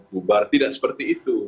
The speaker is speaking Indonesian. bubar tidak seperti itu